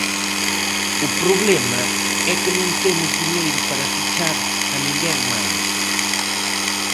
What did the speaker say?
O problema é que non temos diñeiro para fichar a ninguén máis.